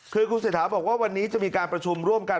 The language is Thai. คือคุณเศรษฐาบอกว่าวันนี้จะมีการประชุมร่วมกัน